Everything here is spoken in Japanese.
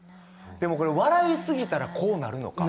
でも笑い過ぎたらこうなるのか？